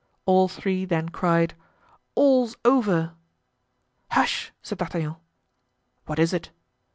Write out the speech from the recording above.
All three then cried: "All's over." "Hush!" said D'Artagnan. "What is it?"